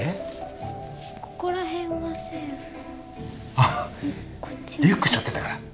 あリュックしょってたから。